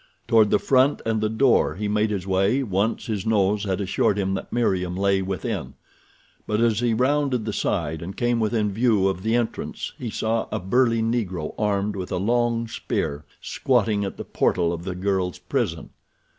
Toward the front and the door he made his way when once his nose had assured him that Meriem lay within; but as he rounded the side and came within view of the entrance he saw a burly Negro armed with a long spear squatting at the portal of the girl's prison.